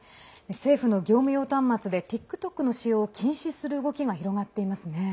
政府の業務用端末でＴｉｋＴｏｋの使用を禁止する動きが広がっていますね。